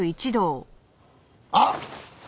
あっ！